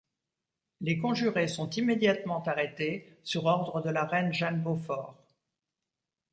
Les conjurés sont immédiatement arrêtés sur ordre de la reine Jeanne Beaufort.